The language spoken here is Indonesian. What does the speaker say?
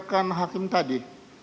berikan hakim tadi